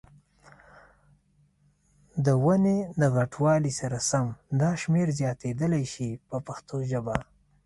د ونې د غټوالي سره سم دا شمېر زیاتېدلای شي په پښتو ژبه.